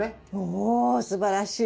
おすばらしい。